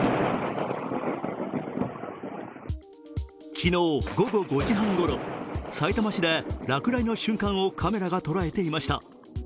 昨日、午後５時半ごろ、さいたま市で落雷の瞬間をカメラが捉えていました。